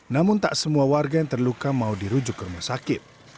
namun tak semua warga yang terluka mau dirujuk ke rumah sakit